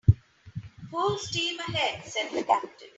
"Full steam ahead," said the captain.